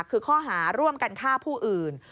คือข้อหาร่วมกันฆ่าผู้อื่น